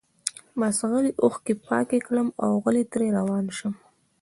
بس غلي اوښکي پاکي کړم اوغلی ترې روان شم